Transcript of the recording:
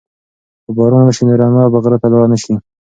که باران وشي نو رمه به غره ته لاړه نشي.